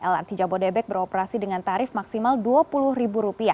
lrt jabodebek beroperasi dengan tarif maksimal rp dua puluh